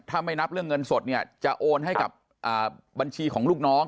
ถ้าไม่นับเรื่องเงินสดเนี่ยจะโอนให้กับบัญชีของลูกน้อง